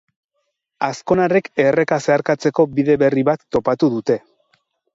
Azkonarrek erreka zeharkatzeko bide berri bat topatu dute.